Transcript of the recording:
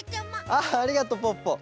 ああありがとうポッポ。